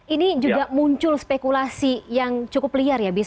ini juga muncul spekulasi yang cukup liar ya